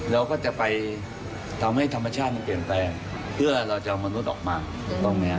เราก็จะไปทำให้ธรรมชาติมันเปลี่ยนแปลงเพื่อเราจะเอามนุษย์ออกมาถูกต้องไหมฮะ